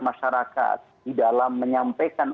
masyarakat di dalam menyampaikan